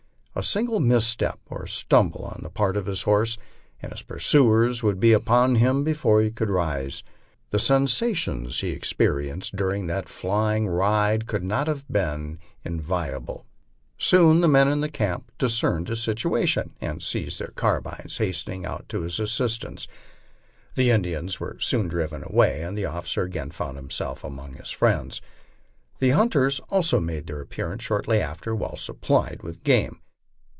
A single misstep or a stumble on the part of his horse, and his pursuers would be upon him before he could rise. The sensa tions he experienced during that flying ride could not have been enviable. Soon the men in camp discerned his situation, and seizing their carbines hastened out to his assistance. The Indians were soon driven away and the officer again found himself among his friends. The hunters also made their appearance shortly after, well supplied with game.